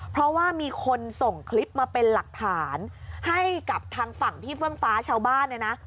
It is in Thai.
เพราะว่ามีคนส่งคลิปมาเป็นหลักฐานให้กับทางฝั่งพี่เฟื่องฟ้าชาวบ้านเนี่ยนะ